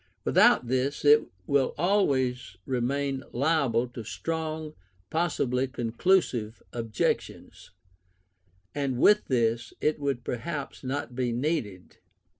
Without this it will always remain liable to strong, possibly conclusive, objections; and with this, it would perhaps not be needed.